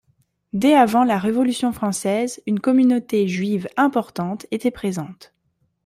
Dès avant la Révolution française, une communauté juive importante était présente.